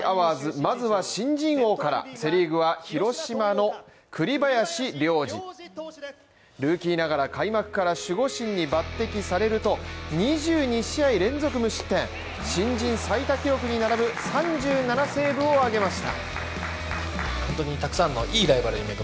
まずは新人王から、セ・リーグは広島の栗林良吏投手、ルーキーながら開幕から守護神に抜擢されると２２試合連続無失点、新人最多記録に並ぶ３７セーブを挙げました。